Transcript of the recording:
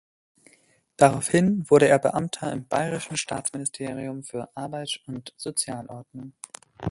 Daraufhin wurde er Beamter im Bayerischen Staatsministerium für Arbeit und Sozialordnung.